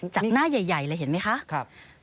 จากหน้าใหญ่เลยเห็นไหมคะ